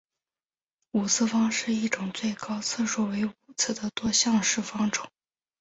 五次方程是一种最高次数为五次的多项式方程。